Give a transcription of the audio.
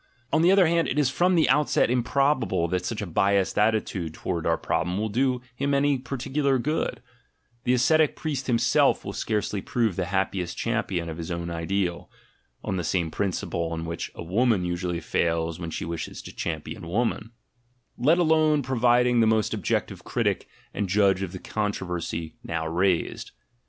... On the other hand, it is from the outset improbable that such a biased attitude towards our problem will do him any particular good; the ascetic priest himself will scarcely prove the happiest champion of his own ideal (on the same principle on which a woman usually fails when she wishes to champion "woman") — let alone proving the most objective critic and judge of the controversy now raised.